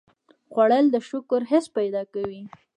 خوړل د شکر حس پیدا کوي